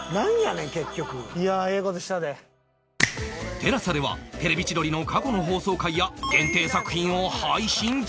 ＴＥＬＡＳＡ では『テレビ千鳥』の過去の放送回や限定作品を配信中